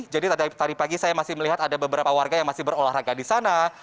jadi tadi pagi saya masih melihat ada beberapa warga yang masih berolahraga di sana